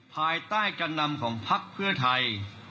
ภายใต้กันนำของภักดิ์เพื่อไทย